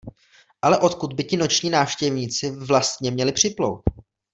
Ale odkud by ti noční návštěvníci vlastně měli připlout?